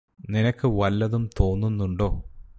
നിനക്ക് വല്ലതും തോന്നുന്നുണ്ടോ